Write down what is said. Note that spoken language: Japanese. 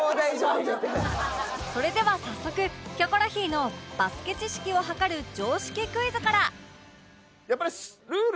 それでは早速キョコロヒーのバスケ知識を測る常識クイズから